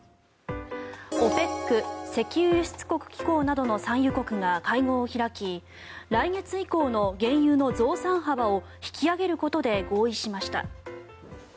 ＯＰＥＣ・石油輸出国機構などの産油国が会合を開き来月以降の原油の増産幅を引き上げることで合意しました。